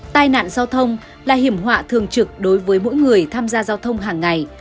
tai nạn giao thông là hiểm họa thường trực đối với mỗi người tham gia giao thông hàng ngày